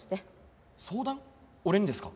俺にですか？